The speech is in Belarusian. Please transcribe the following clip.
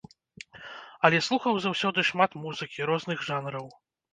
Але слухаў заўсёды шмат музыкі, розных жанраў.